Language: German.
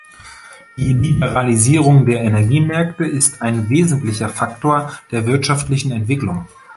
Die Liberalisierung der Energiemärkte ist ein wesentlicher Faktor der wirtschaftlichen Entwicklung.